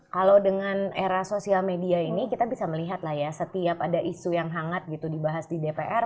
kalau dengan era sosial media ini kita bisa melihat lah ya setiap ada isu yang hangat gitu dibahas di dpr